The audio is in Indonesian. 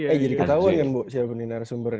eh jadi ketawa kan bu siapun ini nalasumbernya